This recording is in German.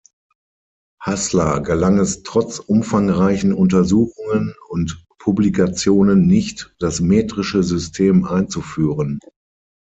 Hassler gelang es trotz umfangreichen Untersuchungen und Publikationen nicht, das metrische System einzuführen.